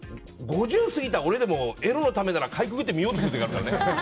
５０過ぎた俺でもエロのためならかいくぐってみようとする時があるからね。